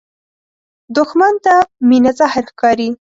دښمن ته مینه زهر ښکاري